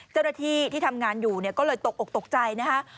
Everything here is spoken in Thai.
เจ้าหน้าที่ที่ทำงานอยู่ก็เลยตกอกตกใจนะคะ